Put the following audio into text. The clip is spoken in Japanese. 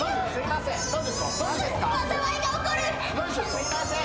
すいません。